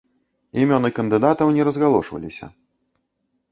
Імёны кандыдатаў не разгалошваліся.